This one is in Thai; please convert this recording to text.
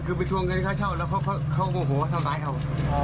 คือไปทวงเงินค่าเช่าแล้วเขาโมโหทำร้ายเขา